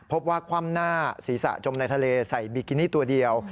คว่ำหน้าศีรษะจมในทะเลใส่บิกินี่ตัวเดียว